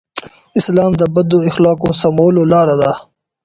اسلام د بدو اخلاقو د سمولو لاره ده.